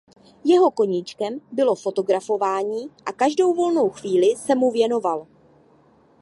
Jeho koníčkem bylo fotografování a každou volnou chvíli se mu věnoval.